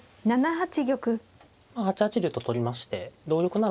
８八竜と取りまして同玉なら８七金打。